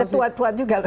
ini sudah tuat tuat juga